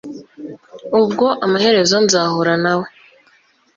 ubwo amaherezo nzahura nawe